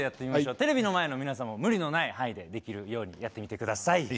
テレビの前の皆さんも無理のないようにできる範囲でやってください。